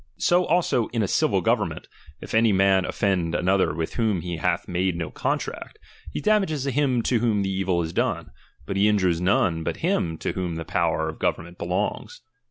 So also in a civil govern ment, if any man offend another with whom he hath made no contract, he damages him to whom the evil is done ; but he injures none but him to whom the power of government belongs.